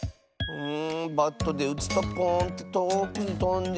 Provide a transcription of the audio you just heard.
んバットでうつとポーンってとおくにとんでいくからな。